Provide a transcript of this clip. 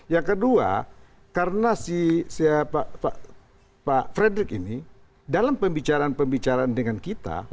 yang kedua karena si pak frederick ini dalam pembicaraan pembicaraan dengan kita